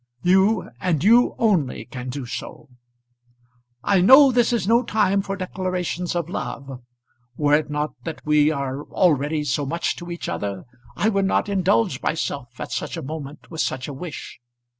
You and you only can do so. I know this is no time for declarations of love. Were it not that we are already so much to each other, I would not indulge myself at such a moment with such a wish.